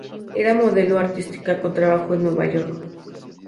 Ella era modelo artística con trabajo en Nueva York.